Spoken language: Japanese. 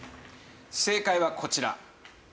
正解はこちら。